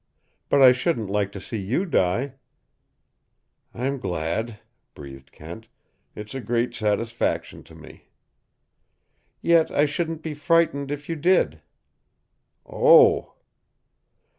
But I shouldn't like to see YOU die." "I'm glad," breathed Kent. "It's a great satisfaction to me." "Yet I shouldn't be frightened if you did." "Oh!"